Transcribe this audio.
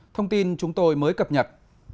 thông tin chúng tôi mới cập nhật